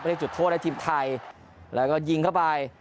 ได้จุดโทษในทีมไทยแล้วก็ยิงเข้าไป